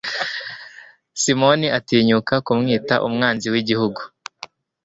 simoni atinyuka kumwita umwanzi w'igihugu